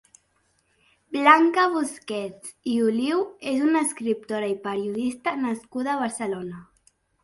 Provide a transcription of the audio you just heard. Blanca Busquets i Oliu és una escriptora i periodista nascuda a Barcelona.